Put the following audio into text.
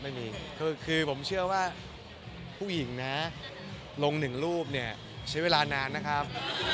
ไม่มีคือผมเชื่อว่าผู้หญิงนะลงหนึ่งรูปเนี่ยใช้เวลานานนะครับ